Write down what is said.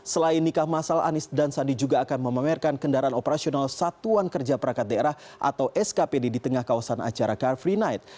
selain nikah masal anies dan sandi juga akan memamerkan kendaraan operasional satuan kerja perangkat daerah atau skpd di tengah kawasan acara car free night